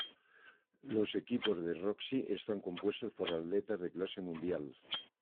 Los equipos de Roxy están compuesto por atletas de clase mundial.